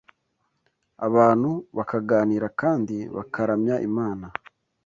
abantu bakaganira kandi bakaramya Imana